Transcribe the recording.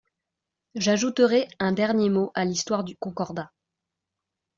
J’ajouterai un dernier mot à l’histoire du Concordat.